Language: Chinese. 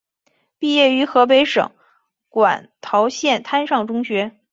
毕业于河北省馆陶县滩上中学。